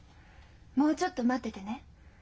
もうちょっと待っててね。